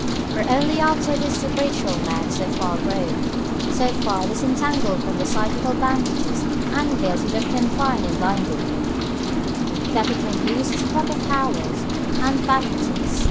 For only after this is the spiritual man so far grown, so far disentangled from the psychical bandages and veils which have confined and blinded him, that he can use his proper powers and faculties.